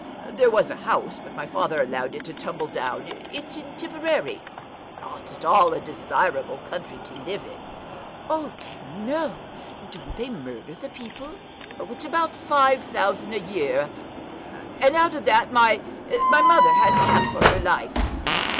"There was a house, but my father allowed it to tumble down. It's in Tipperary; not at all a desirable country to live in." "Oh, dear, no! Don't they murder the people?" "It's about five thousand a year, and out of that my mother has half for her life."